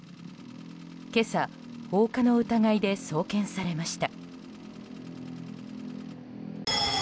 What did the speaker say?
今朝、放火の疑いで送検されました。